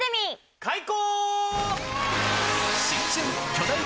開講！